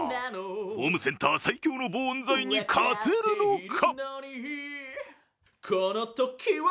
ホームセンター最強の防音材に勝てるのか。